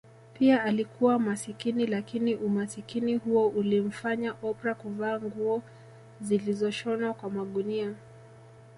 Pia alikuwa masikini lakini Umasikini huo ulimfanya Oprah kuvaa nguo zilizoshonwa kwa magunia